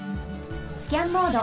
スキャンモード。